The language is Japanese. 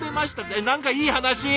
えっ何かいい話。